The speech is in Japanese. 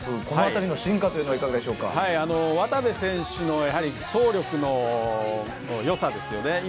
この辺りの進化というのは渡部選手の走力の良さですよね。